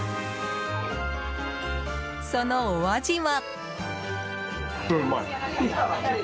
そのお味は。